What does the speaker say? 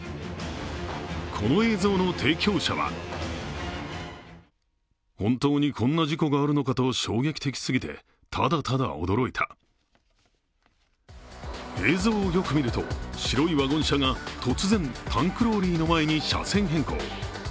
この映像の提供者は映像をよく見ると、白いワゴン車が突然タンクローリーの前に車線変更。